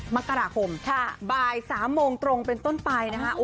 มกราคมบ่าย๓โมงตรงเป็นต้นไปนะฮะ